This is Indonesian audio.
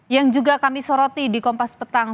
yang juga kami soroti di kompas petang